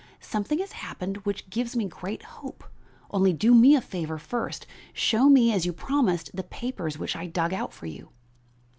Something has happened which gives me great hope; only do me a favor first; show me, as you promised, the papers which I dug out for you."